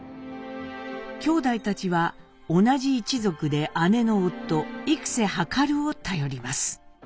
きょうだいたちは同じ一族で姉の夫幾量を頼ります。